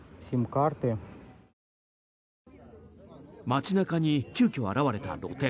街中に急きょ現れた露店。